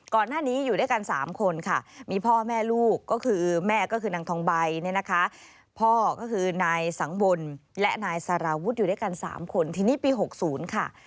ก่อนหน้านี้อยู่ด้วยกัน๓คนค่ะ